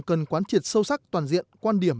cần quán triệt sâu sắc toàn diện quan điểm